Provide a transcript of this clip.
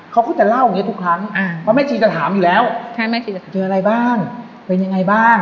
เขาก็จะเล่าอย่างนี้ทุกครั้งเพราะแม่ชีจะถามอยู่แล้วแม่ชีจะเจออะไรบ้างเป็นยังไงบ้าง